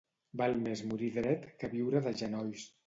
Val més morir dret que viure de genolls.